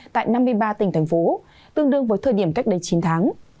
tại năm mươi ba tỉnh thành phố tương đương với thời điểm cách đây chín tháng